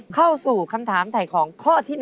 เข้าสู่คำถามสัจของข้อที่๑ครับ